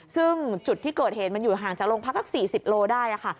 ซึ่งจุดที่เกิดเหตุมันอยู่ห่างจากโรงพักสัก๔๐โลได้ค่ะ